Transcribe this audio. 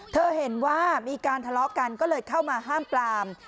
เห็นว่ามีการทะเลาะกันก็เลยเข้ามาห้ามปลาม